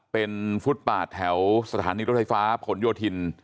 เป็นฟุตปาดแถวสถานีรถไฟฟ้าผลโยธิน